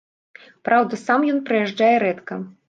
Праўда, сам ён прыязджае рэдка.